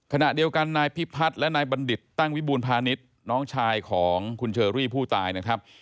ขณะเดียวกันนายพิพัฒน์และนายบัณฑิตตั้งวิบูรพาณิชย์น้องชายของคุณเชอรี่ผู้ตายนะครับ